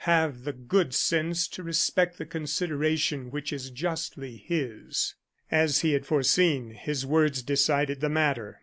Have the good sense to respect the consideration which is justly his." As he had foreseen, his words decided the matter.